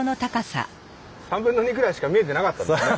３分の２ぐらいしか見えてなかったんですね